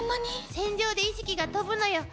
戦場で意識が飛ぶのよ。